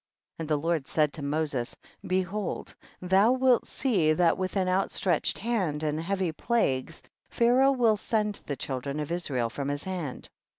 55. And the Lord said to Moses, behold thou wilt see that with an outstretched hand and heavy plagues, Pharaoh will send the children of Israel from his land.